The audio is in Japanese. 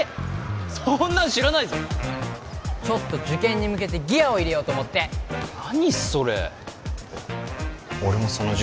そんなん知らないぞちょっと受験に向けてギアを入れようと思って何それ俺もその塾